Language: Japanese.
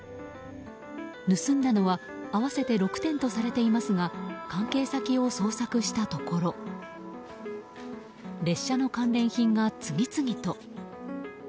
盗んだのは合わせて６点とされていますが関係先を捜索したところ列車の関連品が次々と。